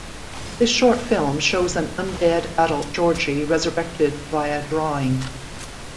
This short film shows an undead adult Georgie resurrected via drawing.